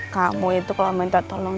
kamu itu kalau minta tolong